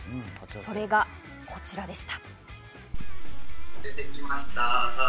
それがこちらでした。